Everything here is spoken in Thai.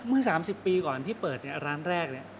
เมื่อ๓๐ปีก่อนที่เปิดร้านแรกเนี่ย